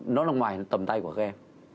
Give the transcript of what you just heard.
nó nằm ngoài tầm tay của các em